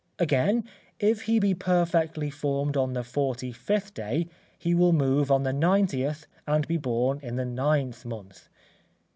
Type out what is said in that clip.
Again, if he be perfectly formed on the forty fifth day, he will move on the ninetieth and be born in the ninth month.